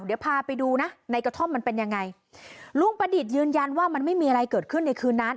เดี๋ยวพาไปดูนะในกระท่อมมันเป็นยังไงลุงประดิษฐ์ยืนยันว่ามันไม่มีอะไรเกิดขึ้นในคืนนั้น